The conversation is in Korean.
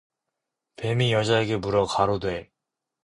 뱀이 여자에게 물어 가로되